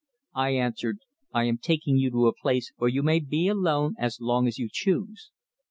I answered: "I am taking you to a place where you may be alone as long as you choose."